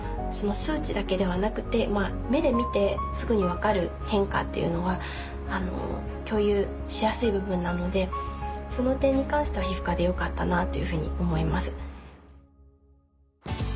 数値だけではなくて目で見てすぐに分かる変化っていうのは共有しやすい部分なのでその点に関しては皮膚科でよかったなというふうに思います。